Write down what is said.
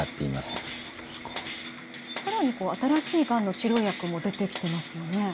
更に新しいがんの治療薬も出てきてますよね。